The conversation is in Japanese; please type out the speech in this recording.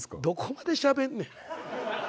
どこまでしゃべんねん。